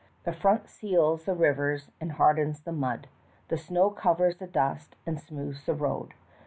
The frost seals the rivers and hardens the mud; the snow covers the dust and smooths the road.